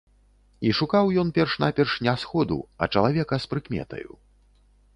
І шукаў ён перш-наперш не сходу, а чалавека з прыкметаю.